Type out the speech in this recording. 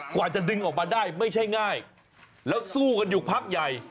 กว่าจะดึงออกมาได้ไม่ใช่ง่ายแล้วสู้กันอยู่พักใหญ่